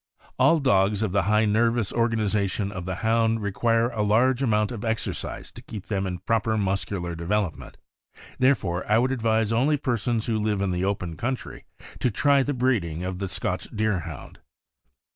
All dogs of the high nervous organization of the Hound require a large amount of exercise to keep them in proper muscular development. Therefore I would advise only per sons who live in the .open country to try the breeding of the Scotch Deerhound.